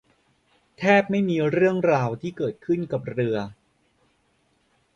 แทบไม่มีเรื่องราวที่เกิดขึ้นกับเรือ